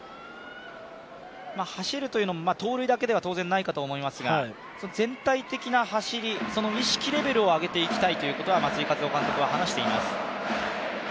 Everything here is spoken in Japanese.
走るというのも盗塁だけでは当然ないと思いますが、全体的な走り、その意識レベルを上げていきたいということを松井稼頭央監督は話しています。